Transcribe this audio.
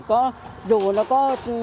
có dù nó có